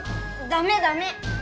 ダメダメ！